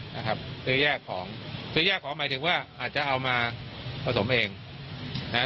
นะครับซื้อแยกของซื้อแยกของหมายถึงว่าอาจจะเอามาผสมเองนะฮะ